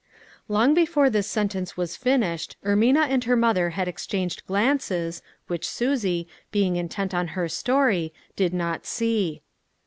Long before this sentence was finished, Ermina and her mother had exchanged glances which Susie, being intent on her story, did not see.